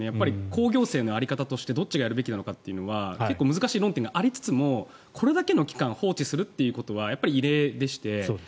公行政の在り方としてどっちがやるべきなのかというのは結構難しい論点がありつつもこれだけの期間放置するのは異例でして。